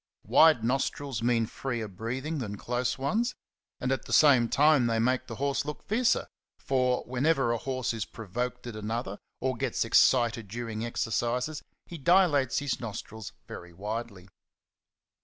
Wide nostrils " mean freer breathinp than close ones, and at the same time they make the horse look fiercer ; for whenever a horse is provoked at another or gets excited during exercise, he dilates his nostrils very widely.